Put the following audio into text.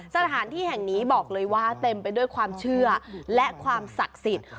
สถานที่แห่งนี้บอกเลยว่าเต็มไปด้วยความเชื่อและความศักดิ์สิทธิ์